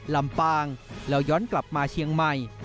ลำปางแล้วย้อนกลับมาเชียงใหม่